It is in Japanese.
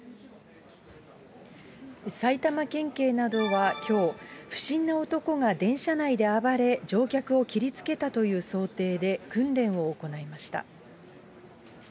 埼玉県警などはきょう、不審な男が電車内で暴れ、乗客を切りつけたという想定で訓練を行いました。